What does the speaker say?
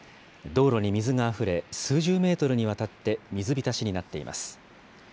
道路に水があふれ、数十メートルにわたって水浸しになっています。